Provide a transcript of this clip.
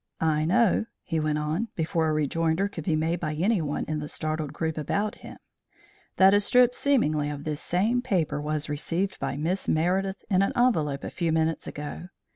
I know," he went on, before a rejoinder could be made by anyone in the startled group about him, "that a strip seemingly of this same paper was received by Miss Meredith in an envelope a few minutes ago.